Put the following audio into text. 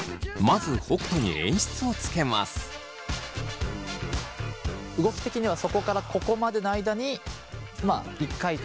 まず動き的にはそこからここまでの間に一回転したりとか。